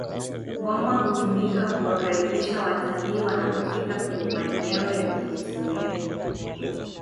ngoma hutumika kuwakaribisha watalii wanapofika kwenye maeneo ya kihistoria